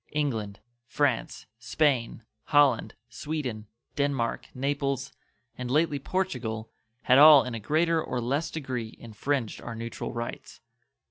England, France, Spain, Holland, Sweden, Denmark, Naples, and lately Portugal had all in a greater or less degree infringed our neutral rights.